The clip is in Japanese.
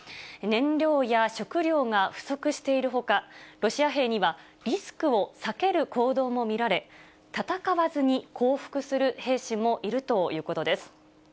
燃料や食料が不足しているほか、ロシア兵にはリスクを避ける行動も見られ、戦わずに降伏する兵士もいるということです。